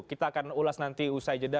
kita akan ulas nanti usai jeda